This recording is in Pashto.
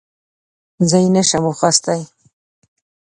زه یې نه شم اخیستی .